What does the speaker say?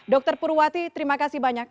dr purwati terima kasih banyak